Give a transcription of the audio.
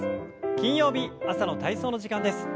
金曜日朝の体操の時間です。